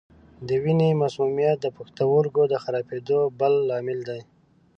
د وینې مسمومیت د پښتورګو د خرابېدو بل لامل دی.